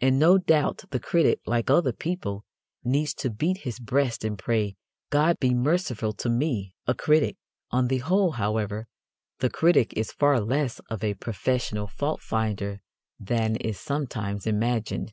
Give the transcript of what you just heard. And no doubt the critic, like other people, needs to beat his breast and pray, "God be merciful to me, a critic." On the whole, however, the critic is far less of a professional faultfinder than is sometimes imagined.